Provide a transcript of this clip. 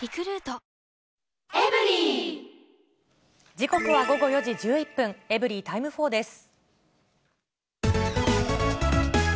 時刻は午後４時１１分、エブリィタイム４です。